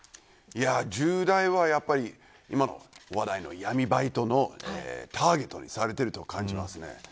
１０代はやっぱり話題の闇バイトのターゲットにされていると感じます。